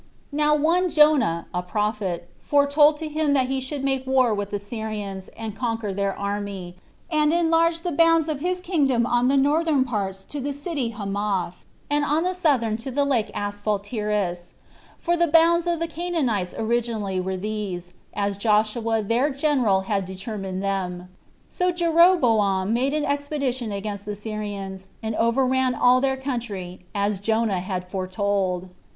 Now one Jonah, a prophet, foretold to him that he should make war with the Syrians, and conquer their army, and enlarge the bounds of his kingdom on the northern parts to the city Hamath, and on the southern to the lake Asphaltitis; for the bounds of the Canaanites originally were these, as Joshua their general had determined them. So Jeroboam made an expedition against the Syrians, and overran all their country, as Jonah had foretold.